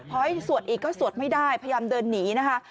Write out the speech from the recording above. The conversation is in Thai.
พอให้สวดอีกก็สวดไม่ได้พยายามเดินหนีนะคะ